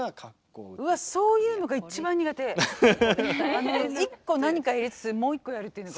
あの一個何かやりつつもう一個やるっていうのが。